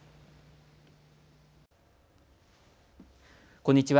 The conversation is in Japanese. こんにちは。